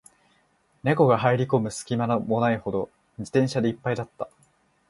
猫が入る込む隙間もないほど、自転車で一杯だった